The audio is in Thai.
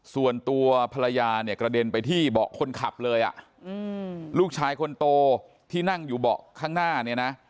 ส่วนตัวภรรยาเนี่ยกระเด็นไปที่เบาะคนขับเลยอ่ะลูกชายคนโตที่นั่งอยู่เบาะข้างหน้าเนี่ยนะ